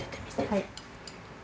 はい。